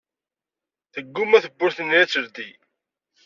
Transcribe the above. Tegguma tewwurt-nni ad teldi.